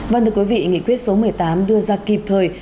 vâng thưa quý vị nghị quyết số một mươi tám đưa ra kịp thời